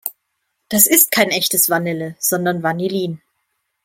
Das ist kein echtes Vanille, sondern Vanillin.